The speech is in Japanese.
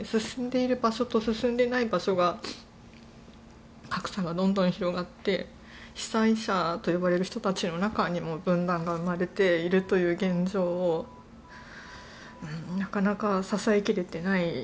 進んでいる場所と進んでいない場所の格差がどんどん広がって被災者と呼ばれる人たちの中にも分断が生まれているという現状をなかなか支え切れていない。